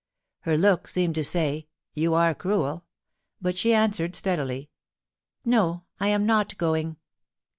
Her look seemed to say, *You are cruel;* but she answered steadily :* No, I am not going.'